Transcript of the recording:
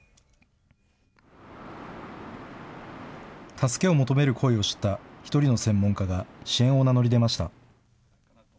助けを求める声を知った１人の専門家が、支援を名乗り出ました。